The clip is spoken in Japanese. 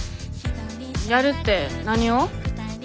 やるって何を？